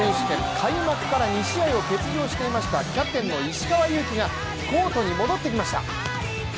開幕から２試合を欠場していました、キャプテンの石川祐希がコートに戻ってきました。